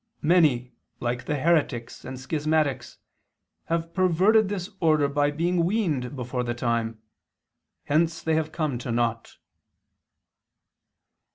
Many, like the heretics and schismatics, have perverted this order by being weaned before the time. Hence they have come to naught."